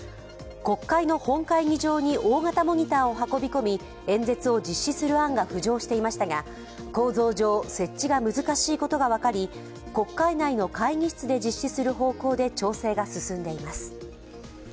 国会の本会議場に大型モニターを運び込み、演説を実施する案が浮上していましたが構造上、設置が難しいことが分かり国会内の会議室で実施する方向で調整が進んでいます。